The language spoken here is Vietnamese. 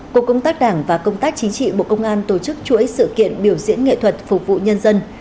cục công tác đảng và công tác chính trị bộ công an tổ chức chuỗi sự kiện biểu diễn nghệ thuật phục vụ nhân dân